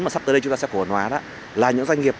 mà sắp tới đây chúng ta sẽ cổ phần hóa đó là những doanh nghiệp